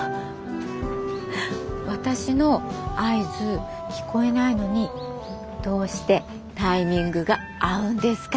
私の合図聞こえないのにどうしてタイミングが合うんですか？